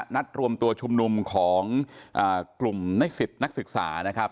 นัดรวมตัวชุมนุมของกลุ่มนิสิตนักศึกษานะครับ